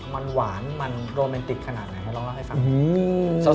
มันหวานมันโรแมนติกขนาดไหนมาลองเล่าให้ฟัง